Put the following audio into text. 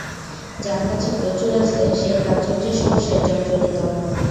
যার কাছে প্রচুর আছে, সে প্রাচুর্যের সমস্যায় জর্জরিত।